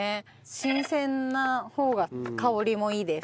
新鮮な方が香りもいいです。